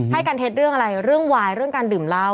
ให้การเท็จเรื่องอะไรเรื่องวายเรื่องการดื่มเหล้า